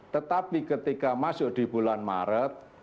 tetapi ketika masuk di bulan maret